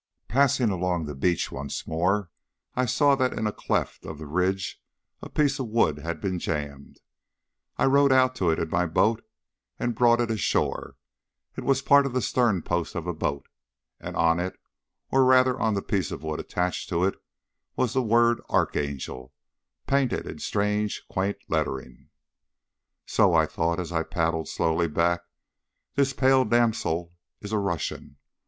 Passing along the beach once more, I saw that in a cleft of the ridge a piece of wood had been jammed. I rowed out to it in my boat, and brought it ashore. It was part of the sternpost of a boat, and on it, or rather on the piece of wood attached to it, was the word "Archangel," painted in strange, quaint lettering. "So," I thought, as I paddled slowly back, "this pale damsel is a Russian.